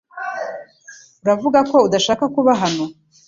Uravuga ko udashaka kuba hano?